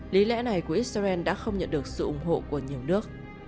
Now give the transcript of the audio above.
lý lẽ này của israel đã không nhận được sự ủng hộ của nhiều nước